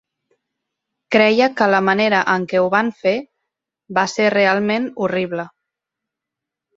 Creia que la manera en què ho van fer va ser realment horrible.